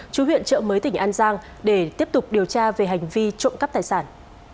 chú huyện trợ mới tỉnh an giang để tiếp tục điều tra về hành vi trộm cắp tài sản